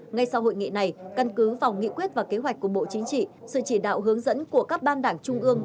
ngay sau hội nghị này căn cứ vào nghị quyết và kế hoạch của bộ chính trị sự chỉ đạo hướng dẫn của các ban đảng trung ương